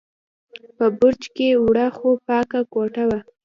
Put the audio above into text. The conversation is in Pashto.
په برج کې وړه، خو پاکه کوټه وه.